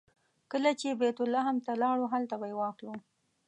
کله چې بیت لحم ته لاړو هلته به یې واخلو.